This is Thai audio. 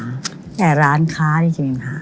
แค่ร้านค้าที่จะมีปัญหา